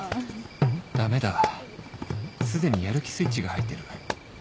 駄目だすでにやる気スイッチが入ってる